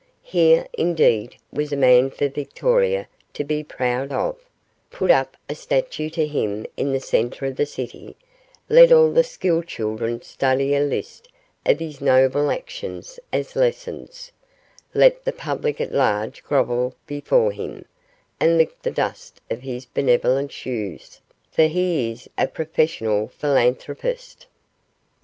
Here, indeed, was a man for Victoria to be proud of; put up a statue to him in the centre of the city; let all the school children study a list of his noble actions as lessons; let the public at large grovel before him, and lick the dust of his benevolent shoes, for he is a professional philanthropist.